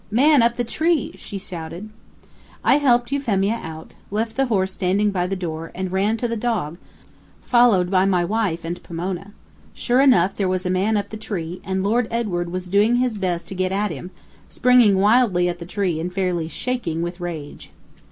"Man up the tree!" she shouted. I helped Euphemia out, left the horse standing by the door, and ran to the dog, followed by my wife and Pomona. Sure enough, there was a man up the tree, and Lord Edward was doing his best to get at him, springing wildly at the tree and fairly shaking with rage.